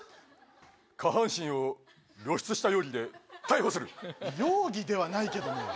下半身を露出した容疑で逮捕容疑ではないけどね。